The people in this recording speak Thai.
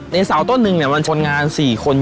เสาต้นหนึ่งมันชนงาน๔คน